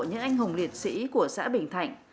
những anh hùng liệt sĩ của xã bình thạnh